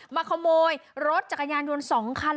มาขโมยรถจักรยานยนต์๒คัน